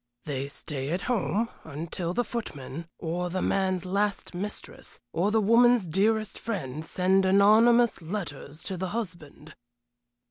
"They stay at home until the footman, or the man's last mistress, or the woman's dearest friend, send anonymous letters to the husband."